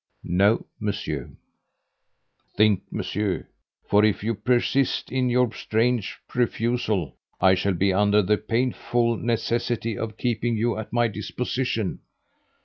"No, Monsieur." "Think, Monsieur! For, if you persist in your strange refusal, I shall be under the painful necessity of keeping you at my disposition."